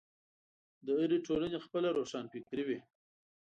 د هرې ټولنې خپله روښانفکري وي.